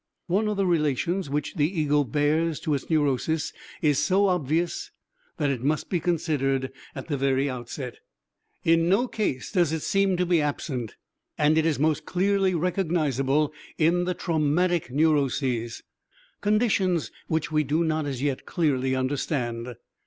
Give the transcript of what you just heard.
One of the relations which the ego bears to its neurosis is so obvious that it must be considered at the very outset. In no case does it seem to be absent, and it is most clearly recognizable in the traumatic neuroses, conditions which we do not as yet clearly understand.